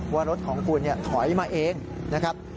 ว่ารถของคุณถอยมาเองนะครับ